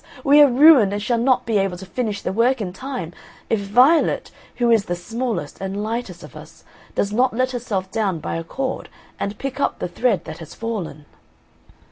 we are ruined and shall not be able to finish the work in time, if Violet, who is the smallest and lightest of us, does not let herself down by a cord and pick up the thread that has fallen."